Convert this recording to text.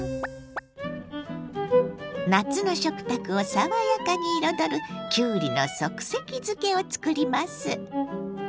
夏の食卓を爽やかに彩るきゅうりの即席漬けを作ります。